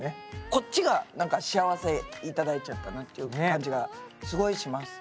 こっちがなんか幸せ頂いちゃったなっていう感じがすごいします。